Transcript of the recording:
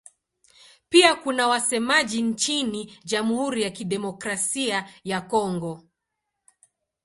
Pia kuna wasemaji nchini Jamhuri ya Kidemokrasia ya Kongo.